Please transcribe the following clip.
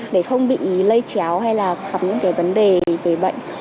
để không bị lây chéo hay là gặp những cái vấn đề về bệnh